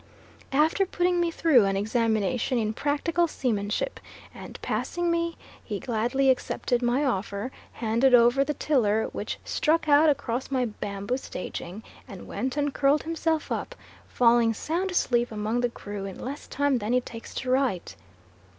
After putting me through an examination in practical seamanship, and passing me, he gladly accepted my offer, handed over the tiller which stuck out across my bamboo staging, and went and curled himself up, falling sound asleep among the crew in less time than it takes to write.